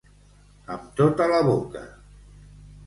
Amb tota la boca.